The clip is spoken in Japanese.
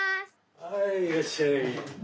はいいらっしゃい。